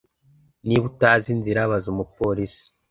Niba utazi inzira, baza umupolisi.